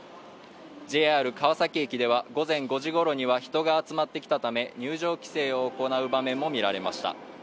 ＪＲ川崎駅では午前５時頃には人が集まってきたため入場規制を行う場面も見られました。